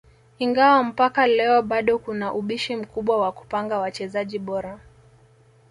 Ingawa mpaka leo bado kuna ubishi mkubwa wa kupanga wachezaji bora